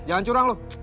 jangan curang lu